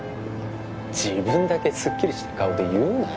自分だけすっきりした顔で言うなよ